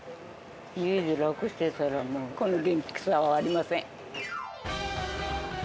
家で楽してたら、もう、この元気さはありません。